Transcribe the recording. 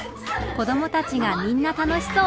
子どもたちがみんな楽しそう。